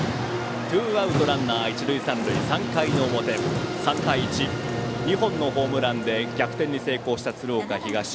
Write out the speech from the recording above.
ツーアウトランナー、一塁三塁３回の表、３対１２本のホームランで逆転に成功した鶴岡東。